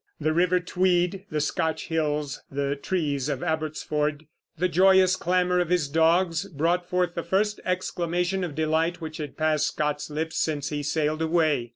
The river Tweed, the Scotch hills, the trees of Abbotsford, the joyous clamor of his dogs, brought forth the first exclamation of delight which had passed Scott's lips since he sailed away.